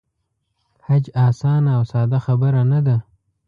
حج آسانه او ساده خبره نه ده.